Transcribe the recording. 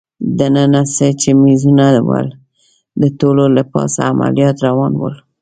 دننه څه چي مېزونه ول، د ټولو له پاسه عملیات روان ول.